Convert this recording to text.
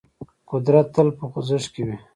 قدرت تل په خوځښت کې وي.